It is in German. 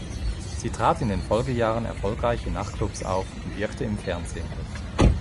Sie trat in den Folgejahren erfolgreich in Nachtclubs auf und wirkte im Fernsehen mit.